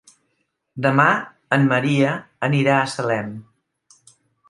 Demà en Maria anirà a Salem.